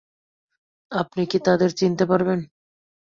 আপনি কি তাদের চিনতে পারবেন?